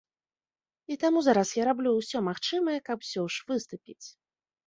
І таму зараз я раблю ўсё магчымае, каб усё ж выступіць.